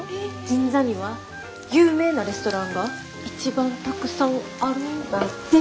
銀座には有名なレストランが一番たくさんあるんだぜ。